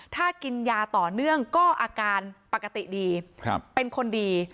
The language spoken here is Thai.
ถ้ากินยาต่อเนื่องก็อาการปกติดีเป็นคนดี